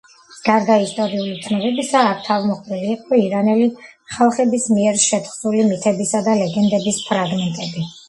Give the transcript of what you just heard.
გარდა ისტორიული ცნობებისა აქ თავმოყრილი იყო ირანელი ხალხების მიერ შეთხზული მითებისა და ლეგენდების ფრაგმენტები.